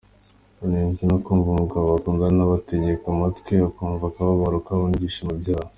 Banezezwa no kumva umugabo bakundana abatega amatwi akumva akababaro kabo n’ ibyishimo byabo.